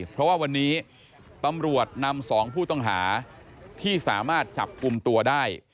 เพราะว่าวันนี้ตำรวจนำ๒ผู้ต้องหาที่สามารถจับกลุ่มตัวได้